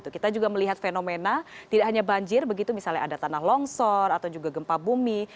kita juga melihat fenomena tidak hanya banjir begitu misalnya ada tanah longsor atau juga gempa bumi